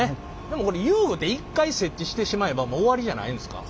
でもこれ遊具て一回設置してしまえばもう終わりじゃないんですか？